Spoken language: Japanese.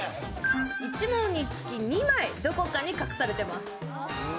１問につき２枚どこかに隠されてます。